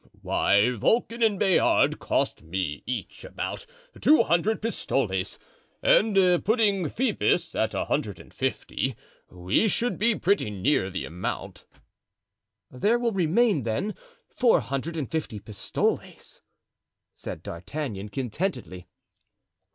"Why, Vulcan and Bayard cost me each about two hundred pistoles, and putting Phoebus at a hundred and fifty, we should be pretty near the amount." "There will remain, then, four hundred and fifty pistoles," said D'Artagnan, contentedly.